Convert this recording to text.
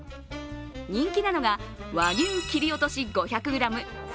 人気なのが和牛切り落とし５００ｇ